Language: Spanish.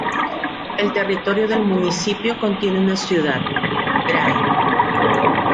El territorio del municipio contiene una ciudad, Gray.